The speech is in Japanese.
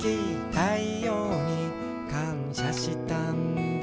「たいようにかんしゃしたんだろうな」